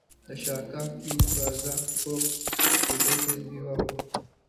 Ndashaka kwitwaza ko bitigeze bibaho